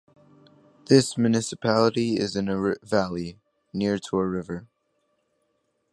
This municipality is in a valley, near to a river.